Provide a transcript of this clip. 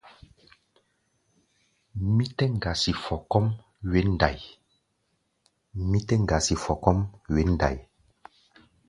Mí tɛ́ ŋgasi fɔ kɔ́ʼm wěn ndai.